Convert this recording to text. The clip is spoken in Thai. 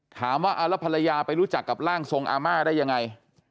ถามว่าเอาแล้วภรรยาไปรู้จักกับร่างทรงอาม่าได้ยังไง